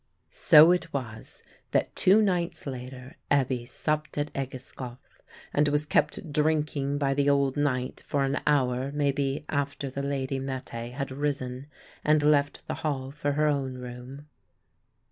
So it was that two nights later Ebbe supped at Egeskov, and was kept drinking by the old knight for an hour maybe after the lady Mette had risen and left the hall for her own room.